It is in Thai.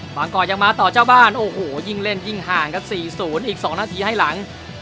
งกรยังมาต่อเจ้าบ้านโอ้โหยิ่งเล่นยิ่งห่างครับ๔๐อีก๒นาทีให้หลัง